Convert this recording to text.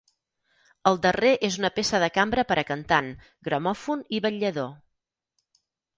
El darrer és una peça de cambra per a cantant, gramòfon i vetllador.